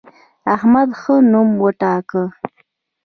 احمد ښه نوم وګاټه.